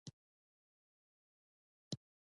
هندوکش د ځوانانو د هیلو استازیتوب کوي.